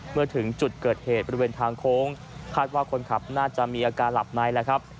เมื่อถึงจุดเกิดเหตุบริเวณทางโค้งคาดว่าคนขับน่าจะมีอาการหลับในแล้วครับ